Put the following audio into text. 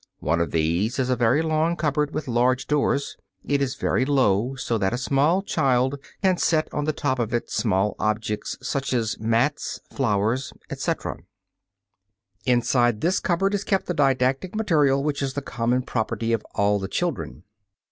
One of these is a very long cupboard with large doors. (Fig. 1.) It is very low so that a small child can set on the top of it small objects such as mats, flowers, etc. Inside this cupboard is kept the didactic material which is the common property of all the children.